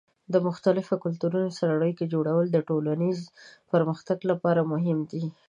د مختلفو کلتورونو سره اړیکې جوړول د ټولنیز پرمختګ لپاره مهم دي.